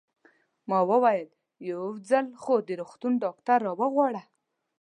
ما وویل: یو ځل خو د روغتون ډاکټر را وغواړه.